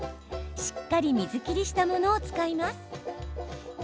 しっかり水切りしたものを使います。